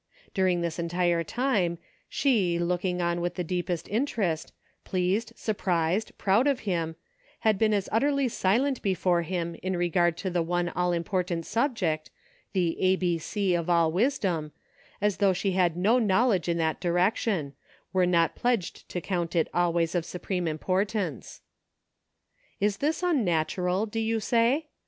During this entire time, she, look ing on with the deepest interest, pleased, surprised, proud of him, had been as utterly silent before him in regard to the one all important subject, the A B "C of all wisdom, as though she had no knowledge in that direction ; were not pledged to count it always of supreme importance. Is this unnatural, do you say